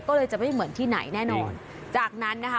ก็เลยจะไม่เหมือนที่ไหนแน่นอนจากนั้นนะคะ